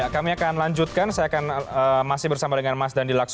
kami akan lanjutkan saya akan masih bersama dengan mas dandi laksono